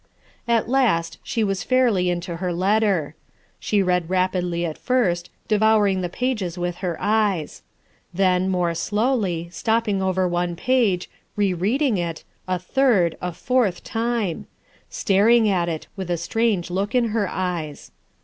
At last she was fairly into her letter. She read rapidly at first, devouring the pages with A SPOILED MOTHER 109 her eyes. Then, more slowly, stopping over one page, re reading it, a third, a fourth time; staring at it, with a strange look in her eyes.